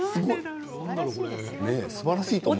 すばらしいと思うけど。